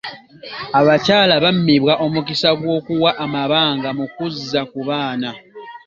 Abakyala bammibwa omukisa gw'okuwa amabanga mu kuzza ku baana.